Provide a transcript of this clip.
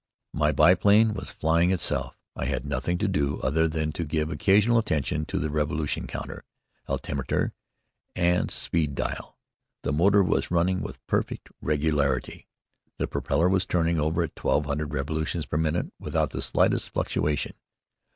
My biplane was flying itself. I had nothing to do other than to give occasional attention to the revolution counter, altimetre, and speed dial. The motor was running with perfect regularity. The propeller was turning over at twelve hundred revolutions per minute without the slightest fluctuation.